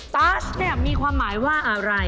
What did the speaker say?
ตัสเนี่ยมีความหมายว่าอะไร